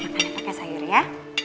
makan ya pakai sayur ya